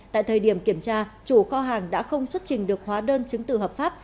tại thời điểm kiểm tra chủ kho hàng đã không xuất trình được hóa đơn chứng từ hợp pháp